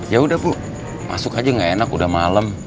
ya udah bu masuk aja nggak enak udah malem